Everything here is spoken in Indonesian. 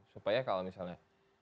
supaya kalau misalnya